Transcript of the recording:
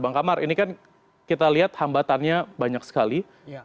bang kamar ini kan kita lihat hambatannya banyak sekali